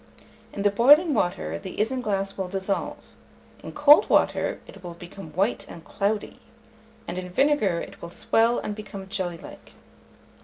In the boiling water the isinglass will dissolve, in cold water it will become white and "cloudy," and in vinegar it will swell and become jelly like.